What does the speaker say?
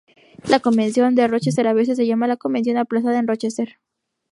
La Convención de Rochester a veces se llama la Convención aplazada en Rochester.